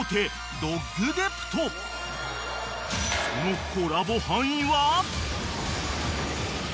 ［そのコラボ範囲は］